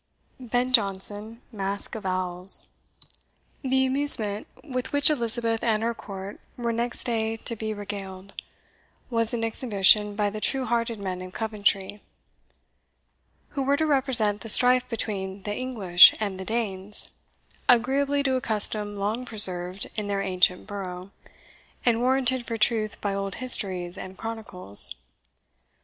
BEN JONSON, MASQUE OF OWLS. The amusement with which Elizabeth and her court were next day to be regaled was an exhibition by the true hearted men of Coventry, who were to represent the strife between the English and the Danes, agreeably to a custom long preserved in their ancient borough, and warranted for truth by old histories and chronicles.